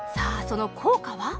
その効果は？